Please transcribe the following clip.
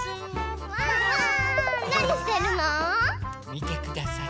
みてください。